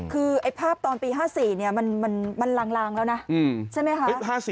คือไอ้ภาพตอนปี๕๔เนี่ยมันลางแล้วนะใช่มั้ยฮะ